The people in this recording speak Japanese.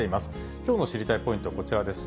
きょうの知りたいポイントはこちらです。